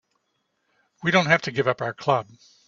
We don't have to give up our club.